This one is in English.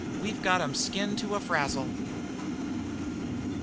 We've got 'em skinned to a frazzle!"